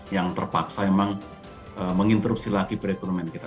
yang terpaksa memang menginterupsi lagi perekonomian kita